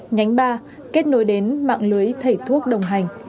nhánh ba kết nối đến mạng lưới thầy thuốc đồng hành